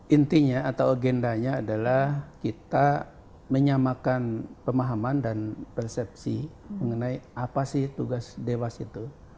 intinya atau agendanya adalah kita menyamakan pemahaman dan persepsi mengenai apa sih tugas dewas itu